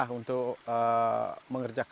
maka kita bisa memiliki beras merah